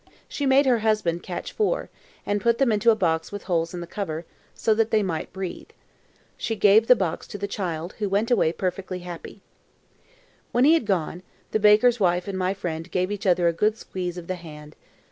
She made her husband catch four, and put them into a box with holes in the cover, so that they might breathe. She gave the box to the child, who went away perfectly happy. When he had gone, the baker's wife and my friend gave each other a good squeeze of the hand.